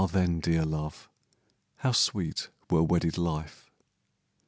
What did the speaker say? then, dear love, how sweet were wedded life.